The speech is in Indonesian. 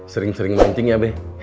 sering sering mancing ya be